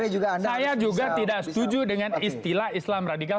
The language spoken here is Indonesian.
saya juga tidak setuju dengan istilah islam radikal